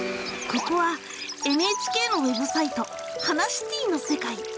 ここはＮＨＫのウェブサイト「ハナシティ」の世界。